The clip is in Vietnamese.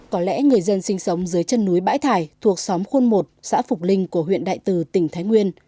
có lẽ người dân sinh sống dưới chân núi bãi thải thuộc xóm khuôn một xã phục linh của huyện đại từ tỉnh thái nguyên